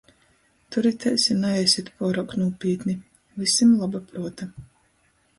Turitēs i naesit puoruok nūpītni... Vysim loba pruota!!!